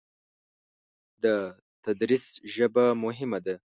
د تدریس ژبه مهمه ده.